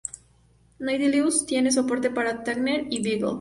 Nautilus tiene soporte para Tracker y Beagle.